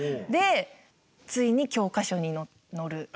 でついに教科書に載る。